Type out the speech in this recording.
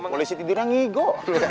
polisi tidurnya ngigo